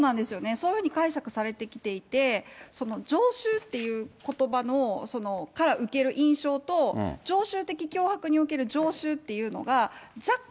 そういうふうに解釈されてきていて、常習っていうことばから受ける印象と、常習的脅迫における常習っていうのが、若干